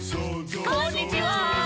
「こんにちは」